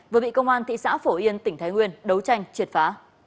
vừa bị công an tp phổ yên tp thái nguyên đấu tranh triệt phá